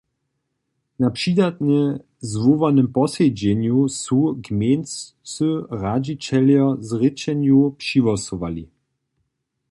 Na přidatnje zwołanym posedźenju su gmejnscy radźićeljo zrěčenju přihłosowali.